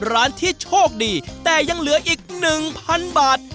ร้านที่โชคดีแต่ยังเหลืออีก๑๐๐๐บาท